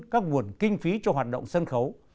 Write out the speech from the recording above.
các nguồn kinh phí cho hoạt động sân khấu